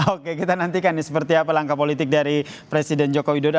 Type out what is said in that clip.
oke kita nantikan nih seperti apa langkah politik dari presiden joko widodo